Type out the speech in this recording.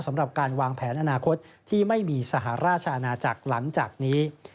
สำหรับการวางแผนอนาคตที่ไม่มีสหราชอาณาจักรหลังจากนี้